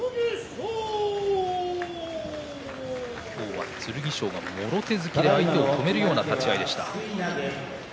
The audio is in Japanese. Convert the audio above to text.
今日は剣翔が、もろ手突きで相手を止めるような立ち合いでした。